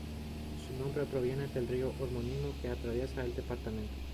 Su nombre proviene del río homónimo, que atraviesa el departamento.